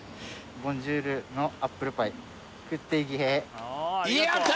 「ボンジュールのアップルパイ食っていぎへ！」